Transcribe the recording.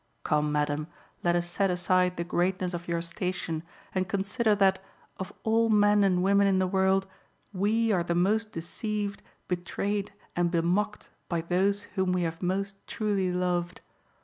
Come, madam, let us set aside the greatness of your station and consider that, of all men and women in the world, we are the most deceived, betrayed, and bemocked by those whom we have most truly loved.